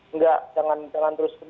enggak jangan terus ke arah situ secara cepat